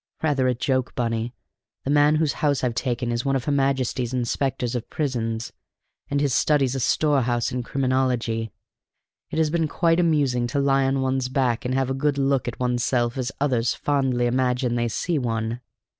Rather a joke, Bunny: the man whose house I've taken is one of her Majesty's inspectors of prisons, and his study's a storehouse of criminology. It has been quite amusing to lie on one's back and have a good look at one's self as others fondly imagine they see one."